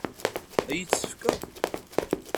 Ad iyi-tt-tefkeḍ?